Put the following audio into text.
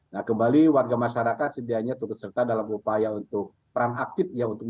nah kembali warga masyarakat sedianya terserta dalam upaya untuk perang aktif ya